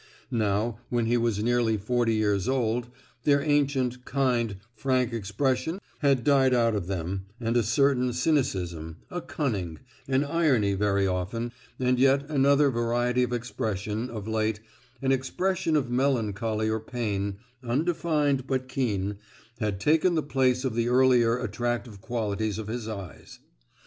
Now, when he was nearly forty years old, their ancient, kind, frank expression had died out of them, and a certain cynicism—a cunning—an irony very often, and yet another variety of expression, of late—an expression of melancholy or pain, undefined but keen, had taken the place of the earlier attractive qualities of his eyes.